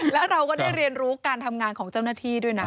แล้วเราก็ได้เรียนรู้การทำงานของเจ้าหน้าที่ด้วยนะ